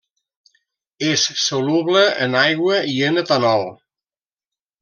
És soluble en aigua i en etanol.